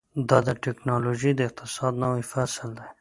دا د ټیکنالوژۍ د اقتصاد نوی فصل دی.